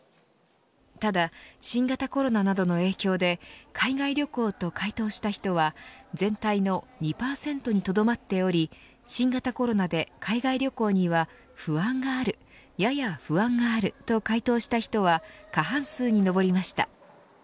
ただ新型コロナなどの影響で海外旅行と回答した人は全体の２％にとどまっており新型コロナで海外旅行には不安がある、やや不安があると回答した人は過半数に上りました。